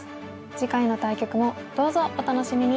次回の対局もどうぞお楽しみに！